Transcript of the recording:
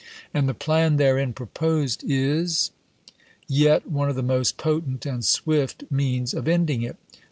And the plan therein proposed is yet one of the most potent and swift means of ending it.